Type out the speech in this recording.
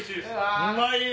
うまいよ！